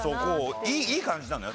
いい感じなのよ